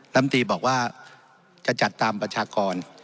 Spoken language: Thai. รัมษ์ตีชี้บอกว่าจะจัดตามประชากร